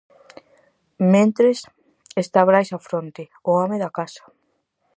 Mentres, está Brais á fronte, o home da casa.